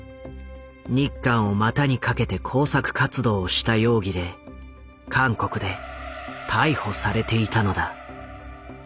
日韓を股にかけて工作活動をした容疑で韓国で逮捕されていたのだ。